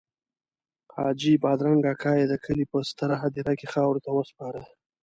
حاجي بادرنګ اکا یې د کلي په ستره هدیره کې خاورو ته وسپاره.